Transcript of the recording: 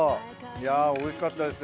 いやおいしかったです。